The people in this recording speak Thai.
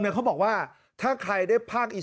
ก้าวไกลมาแย่งเฉยไง